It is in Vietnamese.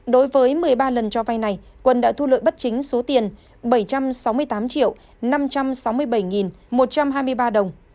đối với một mươi ba lần cho vay này quân đã thu lợi bất chính số tiền bảy trăm sáu mươi tám triệu năm trăm sáu mươi bảy một trăm hai mươi ba đồng